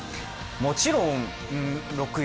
もちろん６・４？